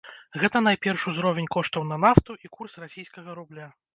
Гэта найперш узровень коштаў на нафту і курс расійскага рубля.